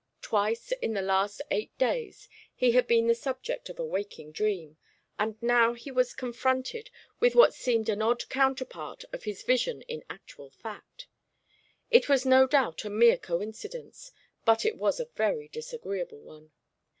Twice in the last eight days he had been the subject of a waking dream, and now he was confronted with what seemed an odd counterpart of his vision in actual fact. It was no doubt a mere coincidence, but it was a very disagreeable one.